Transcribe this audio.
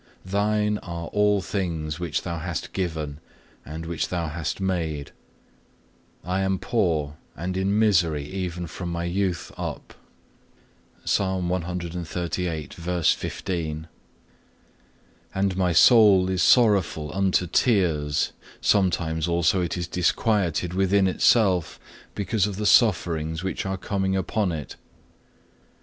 Thine are all things which Thou hast given, and which Thou hast made. I am poor and in misery even from my youth up,(1) and my soul is sorrowful unto tears, sometimes also it is disquieted within itself, because of the sufferings which are coming upon it.